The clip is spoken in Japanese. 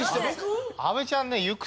阿部ちゃんね行く